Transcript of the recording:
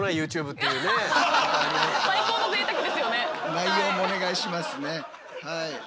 内容もお願いしますね。